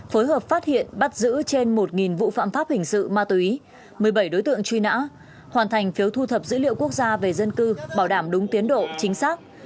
phối hợp phát hiện bắt giữ trên một vụ phạm pháp hình sự ma túy một mươi bảy đối tượng truy nã hoàn thành phiếu thu thập dữ liệu quốc gia về dân cư bảo đảm đúng tiến độ chính xác